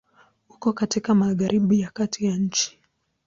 Uko katika Magharibi ya kati ya nchi.